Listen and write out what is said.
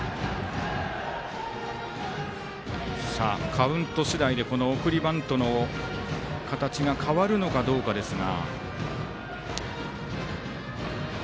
カウント次第で送りバントの形が変わるのかどうかですが。